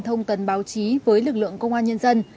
thông tấn báo chí với lực lượng công an nhân dân